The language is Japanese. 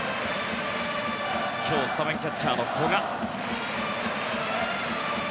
今日スタメンキャッチャーの古賀。